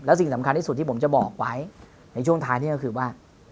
สิ่งสำคัญที่สุดที่ผมจะบอกไว้ในช่วงท้ายนี่ก็คือว่า